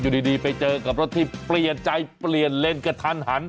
อยู่ดีไปเจอกับรถที่เปลี่ยนใจเปลี่ยนเลนกระทันหัน